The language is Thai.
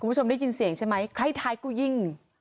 คุณผู้ชมได้ยินเสียงใช่ไหมใครท้ายกูยิง